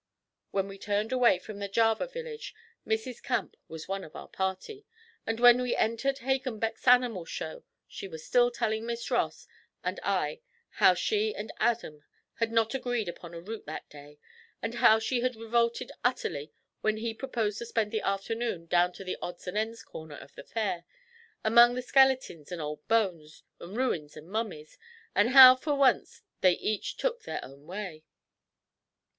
When we turned away from the Java Village Mrs. Camp was one of our party, and when we entered Hagenbeck's animal show she was still telling Miss Ross and I how she and 'Adam' had not agreed upon a route that day, and how she had revolted utterly when he proposed to spend the afternoon 'down to the odds and ends corner of the Fair, among the skeletins and old bones, and rooins, and mummies,' and how 'fer once' they had each 'took their own way.'